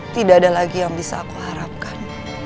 tidak ada lagi yang bisa aku harapkan